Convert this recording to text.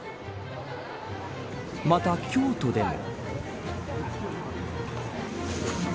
また、京都でも。